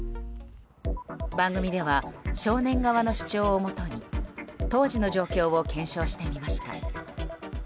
番組では少年側の主張をもとに当時の状況を検証してみました。